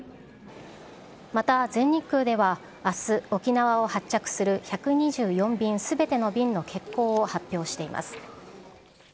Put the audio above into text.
また、全日空では、あす、沖縄を発着する１２４便すべての便の欠航を発表しています。